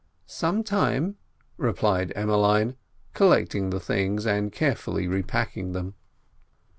"Some time," replied Emmeline, collecting the things, and carefully repacking them.